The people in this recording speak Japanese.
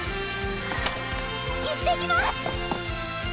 いってきます！